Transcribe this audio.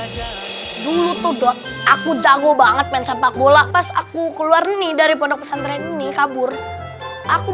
dulu tuh aku jago banget mencetak bola pas aku keluar nih dari pondok pesantren ini kabur aku